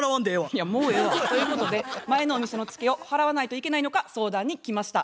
いやもうええわ。ということで前のお店のツケを払わないといけないのか相談に来ました。